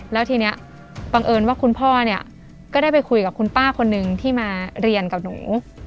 แล้วทีนี้บังเอิญว่าคุณพ่อเนี่ยก็ได้ไปคุยกับคุณป้าคนนึงที่มาเรียนกับหนู